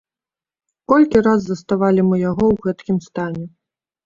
Колькі раз заставалі мы яго ў гэткім стане.